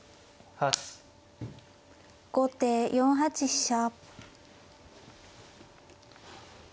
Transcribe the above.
後手４八飛車。